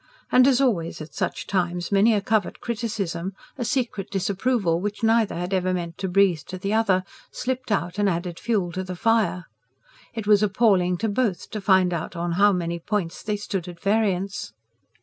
And, as always at such times, many a covert criticism a secret disapproval which neither had ever meant to breathe to the other, slipped out and added fuel to the fire. It was appalling to both to find on how many points they stood at variance.